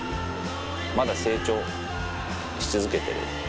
まだ成長し続けてる。